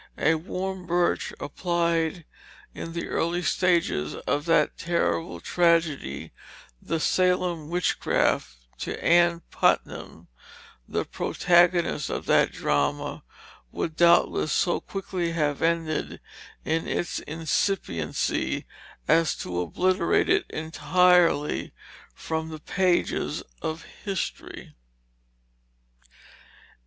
A "warm birch" applied in the early stages of that terrible tragedy, the Salem Witchcraft, to Ann Putnam, the protagonist of that drama, would doubtless so quickly have ended it in its incipiency as to obliterate it entirely from the pages of history.